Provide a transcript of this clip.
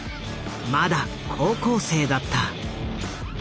まだ高校生だった。